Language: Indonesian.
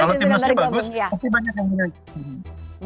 kalau timnas itu bagus optimanya juga